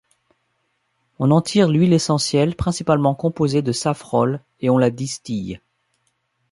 On en tire l'huile essentielle, principalement composée de safrole, et on la distille.